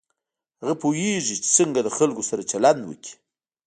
هغه پوهېږي چې څنګه د خلکو سره چلند وکړي.